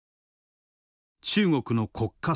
中国の国家戦略